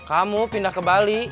kamu pindah ke bali